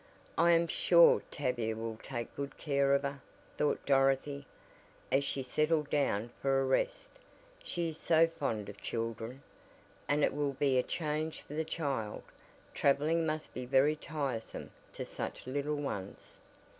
"I am sure Tavia will take good care of her," thought Dorothy, as she settled down for a rest, "she is so fond of children, and it will be a change for the child traveling must be very tiresome to such little ones."